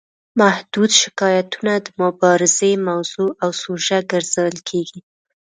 محدود شکایتونه د مبارزې موضوع او سوژه ګرځول کیږي.